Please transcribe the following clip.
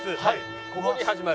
ここに始まる」。